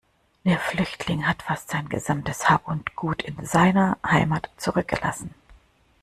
Der Flüchtling hat fast sein gesamtes Hab und Gut in seiner Heimat zurückgelassen.